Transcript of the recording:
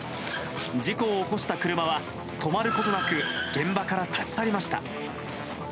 事故を起こした車は、止まることなく、現場から立ち去りました。